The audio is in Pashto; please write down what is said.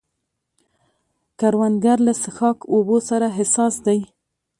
کروندګر له څښاک اوبو سره حساس دی